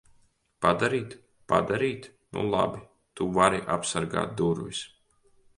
Padarīt? Padarīt? Nu labi. Tu vari apsargāt durvis.